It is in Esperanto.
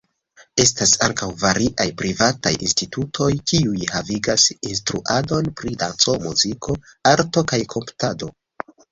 Estas ankaŭ variaj privataj institutoj kiuj havigas instruadon pri danco, muziko, arto kaj komputado.